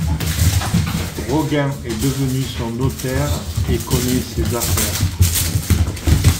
Roguin est devenu son notaire et connaît ses affaires.